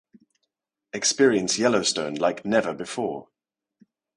Experience Yellowstone like never before!